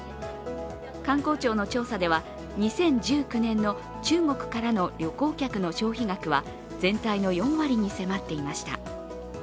観光庁の調査では２０１９年の中国からの旅行客の消費額は全体の４割に迫っていました。